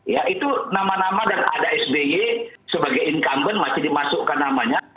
ya itu nama nama dan ada sby sebagai incumbent masih dimasukkan namanya